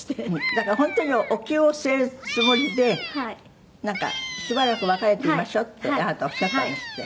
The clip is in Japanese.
「だから本当にお灸を据えるつもりでなんか“しばらく別れていましょう”ってあなたおっしゃったんですって。